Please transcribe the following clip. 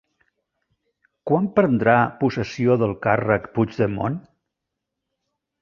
Quan prendrà possessió del càrrec Puigdemont?